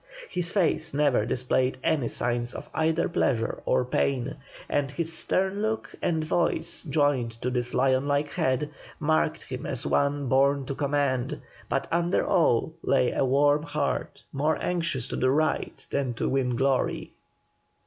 His face never displayed any signs of either pleasure or pain, and his stern look and voice joined to his lion like head, marked him as one born to command; but under all lay a warm heart, more anxious to do right than to win glory.